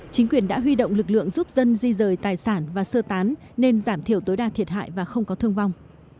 chính quyền đã huy động lực lượng giúp dân di rời tài sản và sơ tán nên giảm thiểu tối đa thiệt hại và không có thương vong